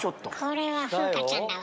これは風花ちゃんだわ。